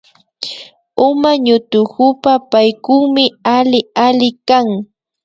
Uma ñutukupa Paykukmi alli alli kan